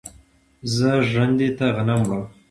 زه ژرندې ته غنم وړم.